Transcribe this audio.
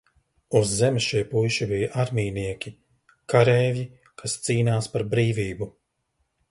Uz Zemes šie puiši bija armijnieki, kareivji, kas cīnās par brīvību.